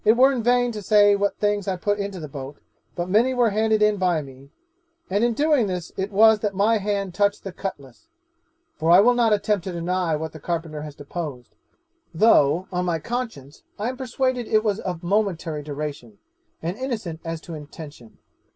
It were in vain to say what things I put into the boat, but many were handed in by me; and in doing this it was that my hand touched the cutlass (for I will not attempt to deny what the carpenter has deposed), though, on my conscience, I am persuaded it was of momentary duration, and innocent as to intention.